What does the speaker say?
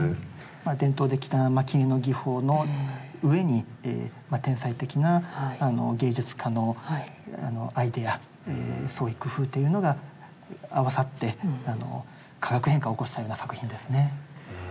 伝統的な蒔絵の技法の上に天才的な芸術家のアイデア創意工夫というのが合わさって化学変化を起こしたような作品ですね。